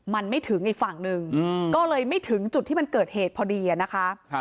มันไม่ถึงอีกฝั่งหนึ่งก็เลยไม่ถึงจุดที่มันเกิดเหตุพอดีนะคะ